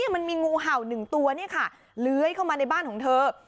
งูเห่า๑ตัวเลื้อยเข้ามาในบ้านของเธอ